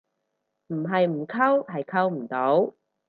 唔係唔溝，係溝唔到